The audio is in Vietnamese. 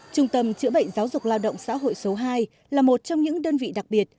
trung tâm chữa bệnh giáo dục lao động xã hội số hai là một trong những đơn vị đặc biệt